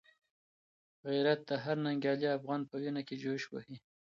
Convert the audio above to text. غیرت د هر ننګیالي افغان په وینه کي جوش وهي.